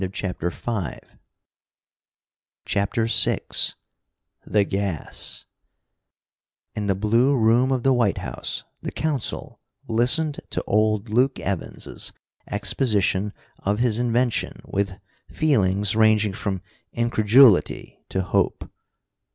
CHAPTER VI The Gas In the Blue Room of the White House the Council listened to old Luke Evans's exposition of his invention with feelings ranging from incredulity to hope.